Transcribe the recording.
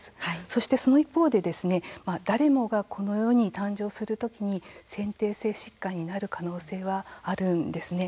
そして、その一方で誰もがこの世に誕生するときに先天性疾患になる可能性はあるんですね。